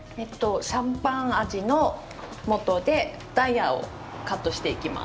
シャンパン味のもとでダイヤをカットしていきます。